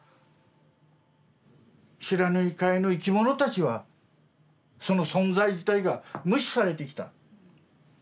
不知火海の生き物たちはその存在自体が無視されてきた。